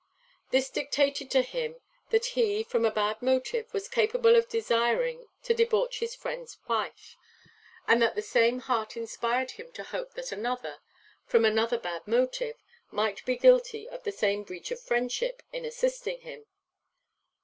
This dictated to him that he, from a bad motive, was capable of desiring to debauch his friend's wife; and the same heart inspired him to hope that another, from another bad motive, might be guilty of the same breach of friendship in assisting him.